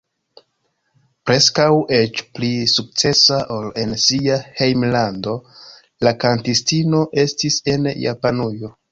Preskaŭ eĉ pli sukcesa ol en sia hejmlando la kantistino estis en Japanujo.